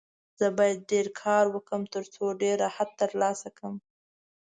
زه باید ډېر کار وکړم، ترڅو ډېر راحت ترلاسه کړم.